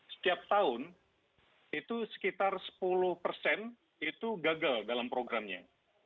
setiap tahun itu sekitar sepuluh persen itu gagal dalam programnya